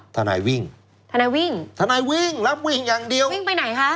ทนายวิ่งทนายวิ่งทนายวิ่งแล้ววิ่งอย่างเดียววิ่งไปไหนคะ